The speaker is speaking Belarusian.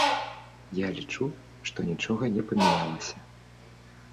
Я лічу, што нічога не памянялася.